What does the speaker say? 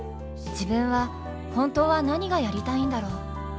自分は本当はなにがやりたいんだろう。